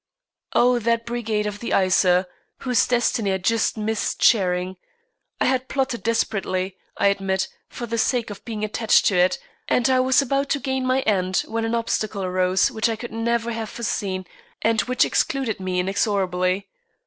Oh that Brigade of the Yser, whose destiny I just missed sharing! I had plotted desperately, I admit, for the sake of being attached to it, and I was about to gain my end when an obstacle arose which I could never have foreseen and which excluded me inexorably.